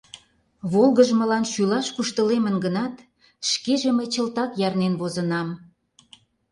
Волгыжмылан шӱлаш куштылемын гынат, шкеже мый чылтак ярнен возынам.